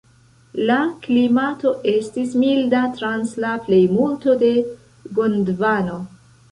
La klimato estis milda trans la plejmulto de Gondvano.